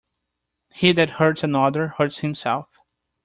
He that hurts another, hurts himself.